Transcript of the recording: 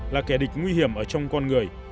là kẻ địch nguy hiểm ở trong con người